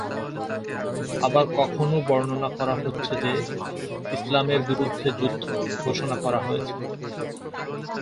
আবার কখনও বর্ণনা করা হচ্ছে যে, "ইসলামের বিরুদ্ধে যুদ্ধ" ঘোষণা করা হয়েছে।